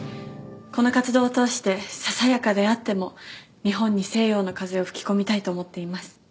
この活動を通してささやかであっても日本に西洋の風を吹き込みたいと思っています。